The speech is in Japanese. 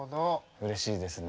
うれしいですね。